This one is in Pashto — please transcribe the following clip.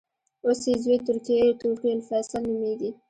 اوس یې زوې ترکي الفیصل نومېږي.